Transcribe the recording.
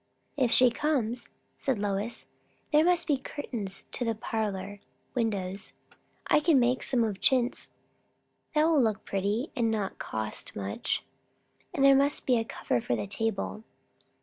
"If she comes," said Lois, "there must be curtains to the parlour windows. I can make some of chintz, that will look pretty and not cost much. And there must be a cover for the table."